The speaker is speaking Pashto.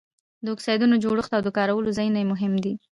د اکسایډونو جوړښت او د کارولو ځایونه یې مهم دي.